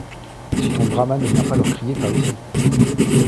Si ton Brahma ne vient leur crier par ici !